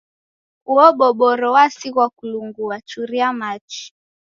Uo boboro wasighwa kulungua churia machi